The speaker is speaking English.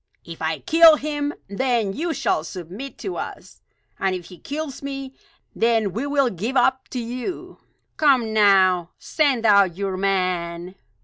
If I kill him; then you shall submit to us; and if he kills me, then we will give up to you. Come, now, send out your man!"